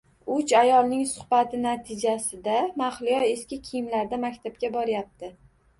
Uch ayolning suhbati natijasida Mahliyo eski kiyimlarida maktabga borayapti